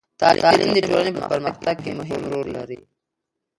تعلیم د ټولنې په پرمختګ کې مهم رول لري.